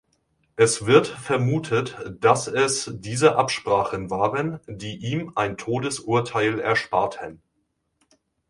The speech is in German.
Es wird vermutet, dass es diese Absprachen waren, die ihm ein Todesurteil ersparten.